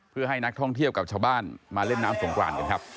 เพื่อให้นักท่องเที่ยวกับชาวบ้านมาเล่นน้ำสงกรานกันครับ